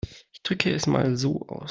Ich drücke es mal so aus.